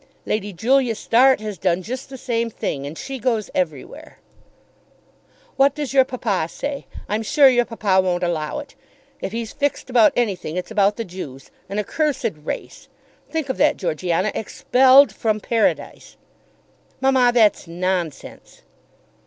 "Lady Julia Start has done just the same thing, and she goes everywhere." "What does your papa say? I'm sure your papa won't allow it. If he's fixed about anything, it's about the Jews. An accursed race; think of that, Georgiana; expelled from Paradise." "Mamma, that's nonsense."